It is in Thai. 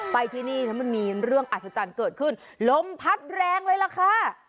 ไปที่นี่ถ้ามันมีเรื่องอัศจรรย์เกิดขึ้นลมพัดแรงเลยล่ะค่ะ